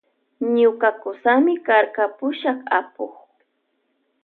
Ñuka kusami karka pushak apuk.